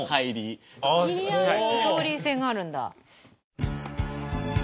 ストーリー性があるんだ。